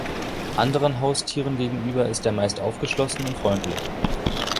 Anderen Haustieren gegenüber ist er meist aufgeschlossen und freundlich.